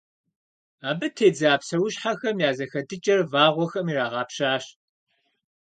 Абы тедза псэущхьэхэм я зэхэтыкӀэр вагъуэхэм ирагъэпщащ.